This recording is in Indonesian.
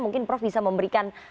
mungkin prof bisa memberikan